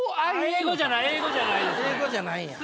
英語じゃないんや。